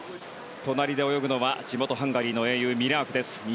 隣で泳ぐのは地元ハンガリーの英雄ミラークです。